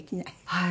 はい。